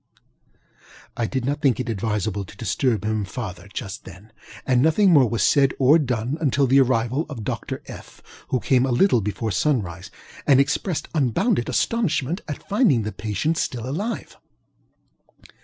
ŌĆØ I did not think it advisable to disturb him farther just then, and nothing more was said or done until the arrival of Dr. FŌĆöŌĆö, who came a little before sunrise, and expressed unbounded astonishment at finding the patient still alive.